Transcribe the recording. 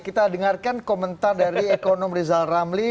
kita dengarkan komentar dari ekonom rizal ramli